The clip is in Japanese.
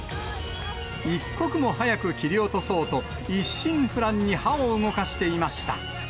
一刻も早く切り落とそうと、一心不乱に刃を動かしていました。